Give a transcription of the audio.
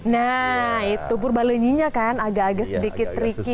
nah itu purbaleninya kan agak agak sedikit tricky ya